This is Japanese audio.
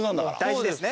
大事ですね。